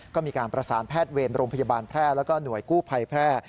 ก็มีการประสานแพทย์เวรโรงพยาบาลแพร่แล้วก็หน่วยกู้ภัยแพร่